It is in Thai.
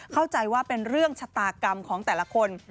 เข้าใจว่าเป็นเรื่องชะตากรรมของแต่ละคน